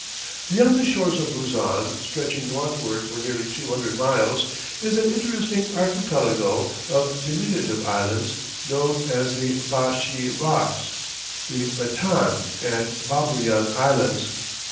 Beyond the shores of Luzon, stretching northward for nearly two hundred miles, is an interesting archipelago of diminutive islands known as the Bashee Rocks, the Batan and the Babuyan Islands.